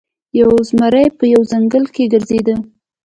یو زمری په یوه ځنګل کې ګرځیده.